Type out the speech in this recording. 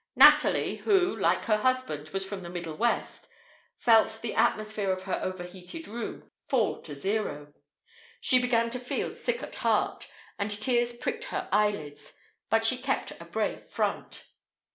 Natalie who, like her husband, was from the Middle West, felt the atmosphere of her overheated room fall to zero. She began to feel sick at heart, and tears pricked her eyelids. But she kept a brave front.